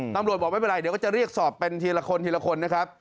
ตำรวจบอกไม่เป็นไรเดี๋ยวก็จะเรียกสอบเป็นทีละคนทีละคนนะครับ